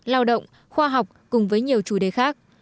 lao động khoa học cùng với nhiều chủ đề khác